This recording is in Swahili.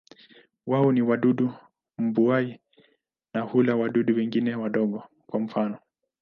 Wao ni wadudu mbuai na hula wadudu wengine wadogo, kwa mfano.